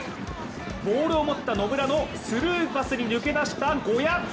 ボールを持った野村のスルーパスに抜け出した呉屋。